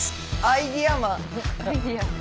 アイデアマン。